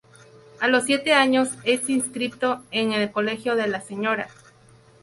A los siete años es inscripto en el Colegio de la Sra.